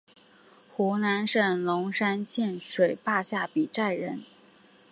湖南省龙山县水田坝下比寨人。